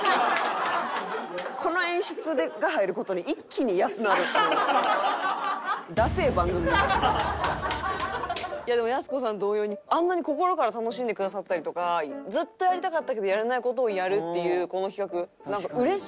この演出が入る事ででもやす子さん同様にあんなに心から楽しんでくださったりとかずっとやりたかったけどやれない事をやるっていうこの企画なんかうれしい。